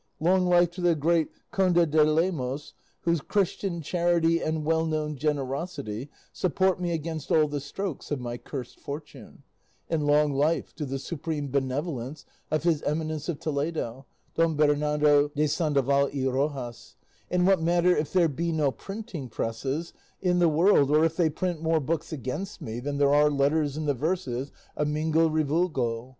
Long life to the great Conde de Lemos, whose Christian charity and well known generosity support me against all the strokes of my curst fortune; and long life to the supreme benevolence of His Eminence of Toledo, Don Bernardo de Sandoval y Rojas; and what matter if there be no printing presses in the world, or if they print more books against me than there are letters in the verses of Mingo Revulgo!